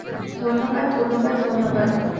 ধন্যবাদ, ধন্যবাদ, ধন্যবাদ।